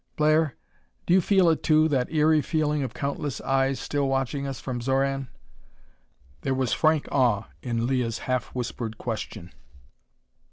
"Blair, do you feel it too, that eery feeling of countless eyes still watching us from Xoran?" There was frank awe in Leah's half whispered question.